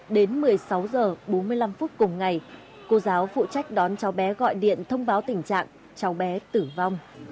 đến một mươi sáu h bốn mươi năm phút cùng ngày cô giáo phụ trách đón cháu bé gọi điện thông báo tình trạng cháu bé tử vong